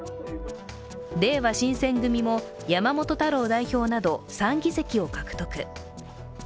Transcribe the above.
れいわ新選組も山本太郎代表など３議席を獲得。